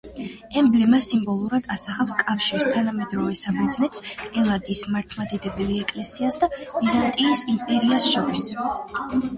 ემბლემა სიმბოლურად ასახავს კავშირს თანამედროვე საბერძნეთს, ელადის მართლმადიდებელი ეკლესიას და ბიზანტიის იმპერიას შორის.